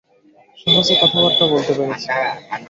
সহজে কথাবার্তা বলতে পেরেছি।